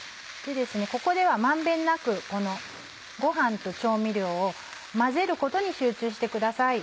ここでは満遍なくごはんと調味料を混ぜることに集中してください。